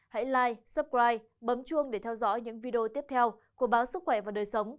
hãy like subscribe bấm chuông để theo dõi những video tiếp theo của báo sức khỏe và đời sống